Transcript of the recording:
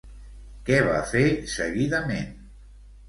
Què va fer, seguidament?